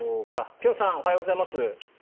辺さんおはようございます。